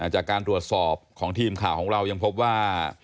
จากการตรวจสอบของทีมข่าวของเรายังพบว่า